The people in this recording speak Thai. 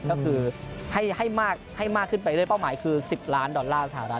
ก็คือให้มากขึ้นไปเรื่อยเป้าหมายคือ๑๐ล้านดอลลาร์สหรัฐ